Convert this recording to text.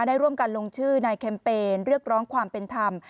ได้ร่วมกันลงชื่อนายแคมเปญเรียกร้องความเป็นธรรม